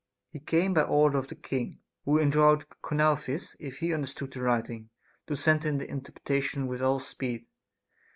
He came by order of the king, who enjoined Chonouphis, if he understood the writing, to send him the interpreta tion with all speed.